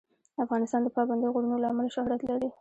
افغانستان د پابندی غرونه له امله شهرت لري.